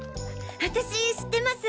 私知ってます。